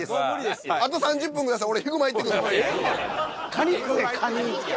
カニ食え。